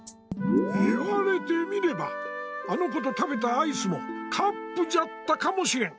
言われてみればあの子と食べたアイスもカップじゃったかもしれん。